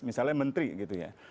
misalnya menteri gitu ya